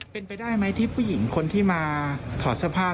เป็นไปได้ไหมที่ผู้หญิงคนที่มาถอดเสื้อผ้า